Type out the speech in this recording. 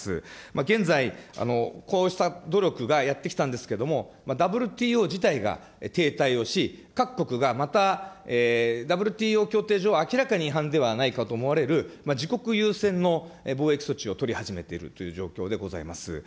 現在、こうした努力がやってきたんですけれども、ＷＴＯ自体が停滞をし、各国がまたＷＴＯ協定上、明らかに違反ではないかと思われる自国優先の貿易措置を取り始めているという状況でございます。